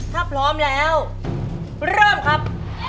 ถ้าพร้อมแล้วเริ่มครับ